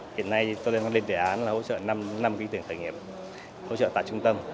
hiện nay tôi đang lên đề án là hỗ trợ năm năm ý tưởng khởi nghiệp hỗ trợ tại trung tâm